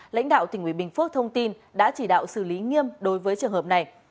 lãnh đạo tỉnh nguy bình phước thông tin đã chỉ đạo xử lý nghiêm đối với trường hợp này